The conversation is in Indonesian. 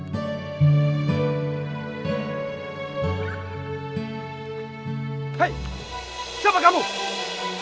kita harus berbicara dengan mereka